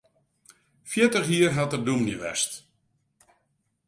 Fjirtich jier hat er dûmny west.